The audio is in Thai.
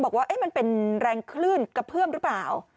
บอกว่ามันเป็นแรงคลื่นกระเพื่อมหรือเปล่า